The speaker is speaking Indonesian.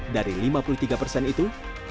dari lima puluh tiga persen itu